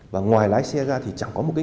và ngoài lái xe ra thì chẳng có một người lái xe